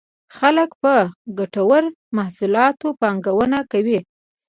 خلک په ګټورو محصولاتو پانګونه کوي.